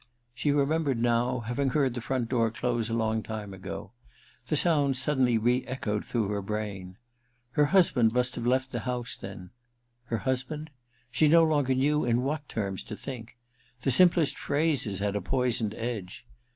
She remembered, now, having heard the front door 219 220 THE RECKONING m close a long time ago : the sound suddenly re echoed through her brain. Her husband must have left the house, then — her husband? She no longer knew in what terms to think : the simplest phrases had a poisoned edge.